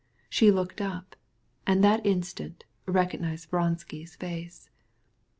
She looked round, and the same instant recognized Vronsky's face.